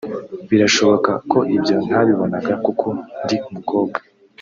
Birashoboka ko ibyo ntabibonaga kuko ndi umukobwa